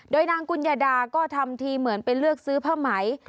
โดยนางกุญญาดาก็ทำทีเหมือนไปเลือกซื้อผ้าไหม